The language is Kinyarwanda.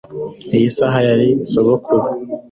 iyi saha yari sogokuru